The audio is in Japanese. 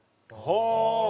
はあ！